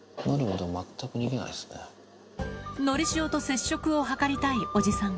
のりしおと接触を図りたいおじさん。